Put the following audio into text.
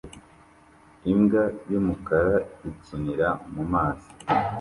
Imbwa y'umukara ikinira mu mazi